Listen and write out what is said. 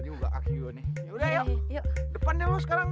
udah yuk depan deh lo sekarang